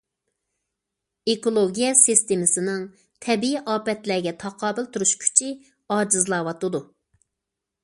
ئېكولوگىيە سىستېمىسىنىڭ تەبىئىي ئاپەتلەرگە تاقابىل تۇرۇش كۈچى ئاجىزلاۋاتىدۇ.